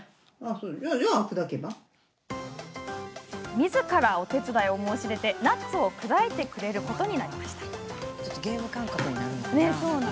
みずから、お手伝いを申し出てナッツを砕いてくれることに。